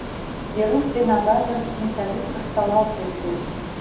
Веруш ден аважын шинчавӱд кышкалалт лектеш.